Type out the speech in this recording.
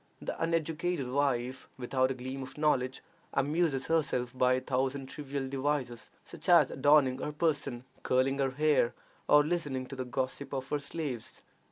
The uneducated wife, without a gleam of knowledge, amuses herself by a thousand trivial devices, such as adorning her person, curling her hair, or listening to the gossip of her slaves.